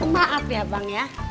maaf ya bang ya